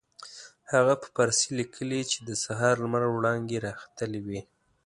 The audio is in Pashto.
هغه په فارسي لیکلي چې د سهار لمر وړانګې را ختلې وې.